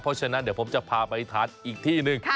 เพราะฉะนั้นจะพาไปทานอีกที่นึง